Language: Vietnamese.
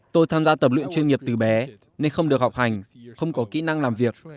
tôi tham gia tập luyện chuyên nghiệp từ bé nên không được học hành không có kỹ năng làm việc